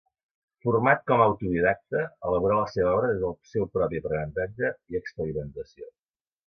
Format com a autodidacte, elaborà la seva obra des del seu propi aprenentatge i experimentació.